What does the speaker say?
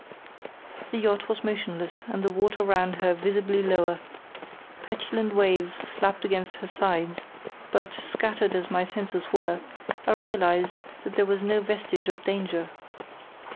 The yacht was motionless, and the water round her visibly lower. Petulant waves slapped against her sides, but, scattered as my senses were, I realised that there was no vestige of danger.